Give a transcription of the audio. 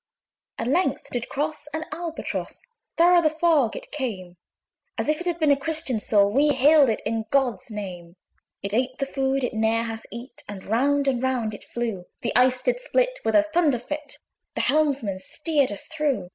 At length did cross an Albatross: Thorough the fog it came; As if it had been a Christian soul, We hailed it in God's name. It ate the food it ne'er had eat, And round and round it flew. The ice did split with a thunder fit; The helmsman steered us through!